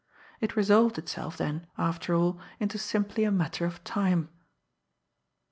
It resolved itself then after all, into simply a matter of time.